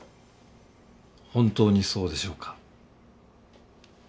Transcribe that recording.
本当にそうでしょうか？